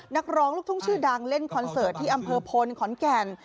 นักร้องลูกทุ่งชื่อดังเล่นคอนเสิร์ตที่อำเภอพลขอนแก่น